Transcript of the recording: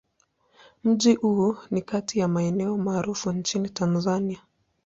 Mji huu ni kati ya maeneo maarufu nchini Tanzania.